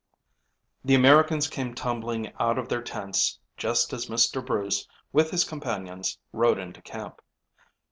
THE Americans came tumbling out of their tents just as Mr. Bruce, with his companions, rode into camp.